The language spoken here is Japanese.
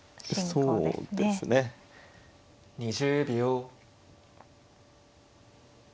２０秒。